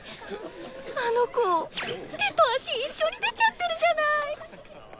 あの子手と足一緒に出ちゃってるじゃない！